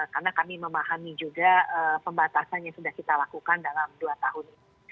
karena kami memahami juga pembatasan yang sudah kita lakukan dalam dua tahun ini